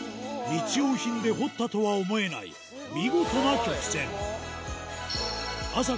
日用品で彫ったとは思えない見事な曲線あさ